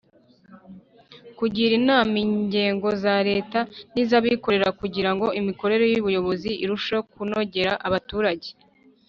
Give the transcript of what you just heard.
kugira inama inzego za leta n’iz’abikorera kugira ngo imikorere y’ubuyobozi irusheho kunogera abaturage;